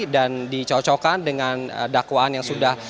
dan dicocokkan dengan dakwaan yang sudah